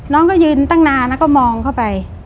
น้องก็ยืนตั้งนานแล้วก็มองเข้าไป